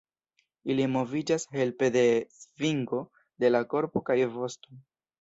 Ili moviĝas helpe de svingo de la korpo kaj vosto.